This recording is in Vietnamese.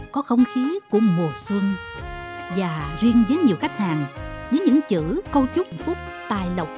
có không khí của mùa xuân và riêng với nhiều khách hàng với những chữ câu chúc một phút tài lộc